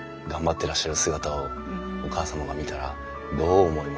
てらっしゃる姿をお母様が見たらどう思いますかね？